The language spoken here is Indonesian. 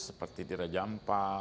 seperti di raja ampa